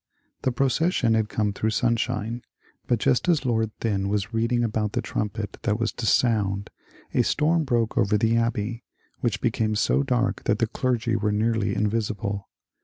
The procession had come through sunshine, but just as Lord Thynne was reading about the trumpet that was to sound, a storm broke over the Abbey, which became so dark that the clergy were nearly in visible.